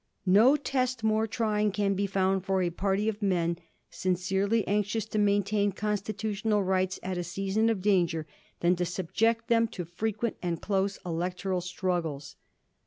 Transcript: No test more trying can be found for a party of men sincerely anxious to maintain constitutional rights at a season of danger than to subject them to fJrequent and close electoral struggles.